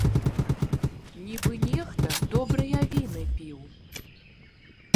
Нібыта нехта добрыя віны піў.